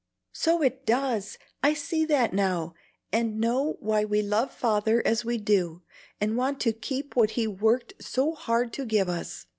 "So it does! I see that now, and know why we love Father as we do, and want to keep what he worked so hard to give us.